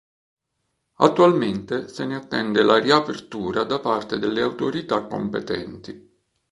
Attualmente se ne attende la riapertura da parte delle autorità competenti.